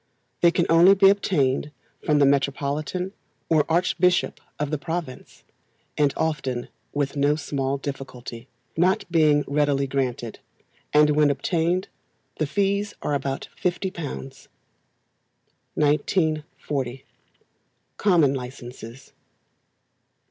They can only be obtained from the Metropolitan or archbishop of the province, and often with no small difficulty, not being readily granted; and when obtained the fees are about £50. 1940. Common Licences.